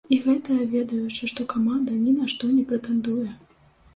І гэта, ведаючы, што каманда ні на што не прэтэндуе!